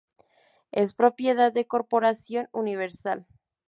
Es propiedad de Corporación Universal.